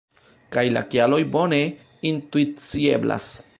Kaj la kialoj bone intuicieblas.